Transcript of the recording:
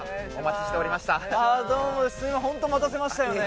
どうもホント待たせましたよね。